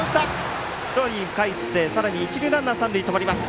１人かえって一塁ランナー三塁で止まります。